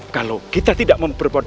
kalau kita tidak memperbuat